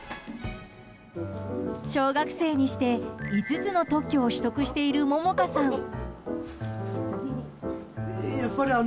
小学生にして５つの特許を取得している杏果さん。